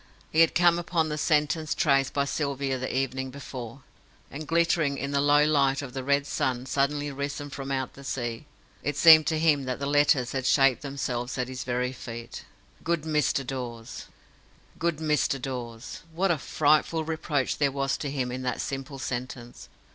He had come upon the sentence traced by Sylvia the evening before, and glittering in the low light of the red sun suddenly risen from out the sea, it seemed to him that the letters had shaped themselves at his very feet, GOOD MR. DAWES. "Good Mr. Dawes"! What a frightful reproach there was to him in that simple sentence!